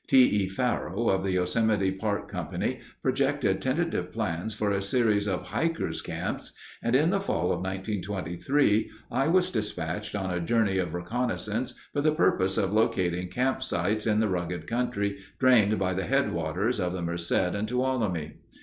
T. E. Farrow, of the Yosemite Park Company, projected tentative plans for a series of "hikers' camps," and in the fall of 1923 I was dispatched on a journey of reconnaissance for the purpose of locating camp sites in the rugged country drained by the headwaters of the Merced and Tuolumne.